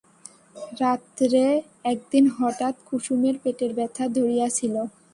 রাত্রে একদিন হঠাৎ কুসুমের পেটের ব্যথা ধরিয়াছিল।